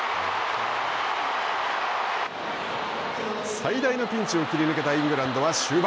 最大のピンチを切り抜けたイングランドは終盤。